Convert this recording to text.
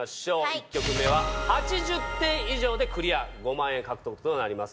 １曲目は８０点以上でクリア５万円獲得となります。